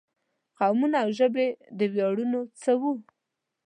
قومونه او ژبې د ویاړونو څه وو.